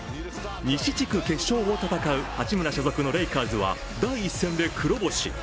西地区決勝を戦う八村所属のレイカーズは第１戦で黒星。